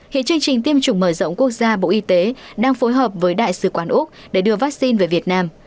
hiện chương trình tiêm chủng mở rộng quốc gia bộ y tế đang phối hợp với đại sứ quán úc để đưa vaccine về việt nam